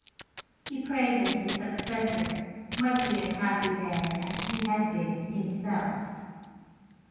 He prayed that his suc cessor might be as happy there as he had been himself.